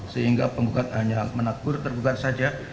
sehingga penggugat hanya menakbur tergugat saja